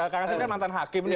kang hasib kan mantan hakim nih